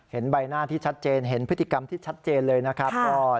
ใบหน้าที่ชัดเจนเห็นพฤติกรรมที่ชัดเจนเลยนะครับ